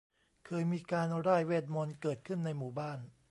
เคยมีการร่ายเวทมนตร์เกิดขึ้นในหมู่บ้าน